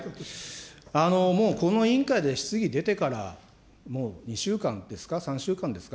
もうこの委員会で質疑出てから、もう２週間ですか、３週間ですか。